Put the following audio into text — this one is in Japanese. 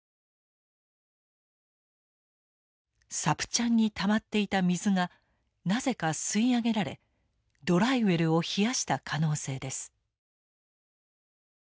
サプチャンにたまっていた水がなぜか吸い上げられドライウェルを冷やした可能性です。